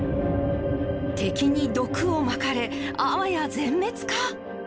敵に毒をまかれあわや全滅か！？